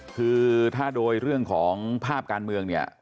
คือถ้าโดยเรื่องของภาพการเมืองเนี่ย